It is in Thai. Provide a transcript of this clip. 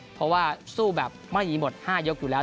เพราะว่าสู้แบบไม่มีหมด๕ยกอยู่แล้ว